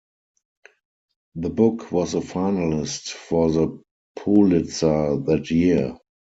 The book was a finalist for the Pulitzer that year.